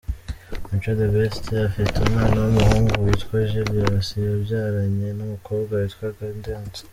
Mico The Best, afite umwana w’umuhungu witwa Julius yabyaranye n’umukobwa witwa Gaudence.